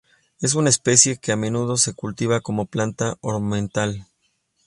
Es una especie que a menudo se cultiva como planta ornamental.